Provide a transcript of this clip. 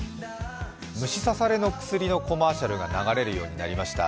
虫刺されの薬のコマーシャルが流れるようになりました。